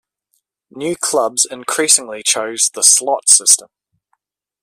New clubs increasingly chose the slot system.